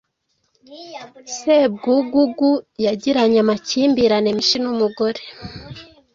Sebwugugu yagiranye amakimbirane menshi n’umugore